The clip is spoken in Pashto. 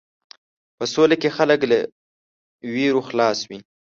په سوله کې خلک له وېرو خلاص وي.